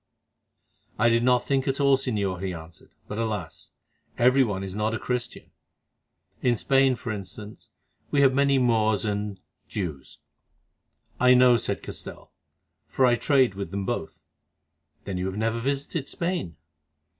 "I did not think at all, Señor," he answered; "but alas! every one is not a Christian. In Spain, for instance, we have many Moors and—Jews." "I know," said Castell, "for I trade with them both." "Then you have never visited Spain?"